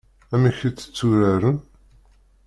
Amek i tt-tturaren?